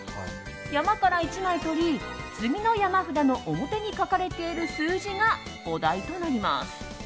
山から１枚取り次の山札の表に書かれている数字がお題となります。